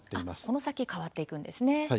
この先変わっていくんですね。